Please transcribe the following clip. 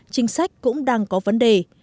chính sách cũng đang có vấn đề